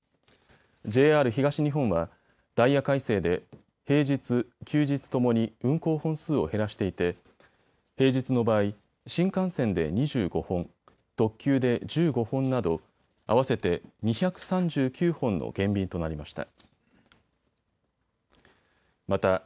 ＪＲ東日本はダイヤ改正で平日、休日ともに運行本数を減らしていて平日の場合、新幹線で２５本、特急で１５本など合わせて２３９本の減便となりました。